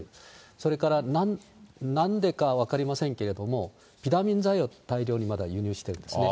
それから、なんでか分かりませんけれども、ビタミン剤を大量にまだ輸入してるんですね。